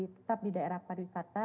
tetap di daerah pariwisata